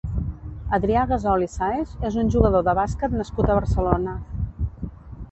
Adrià Gasol i Sáez és un jugador de bàsquet nascut a Barcelona.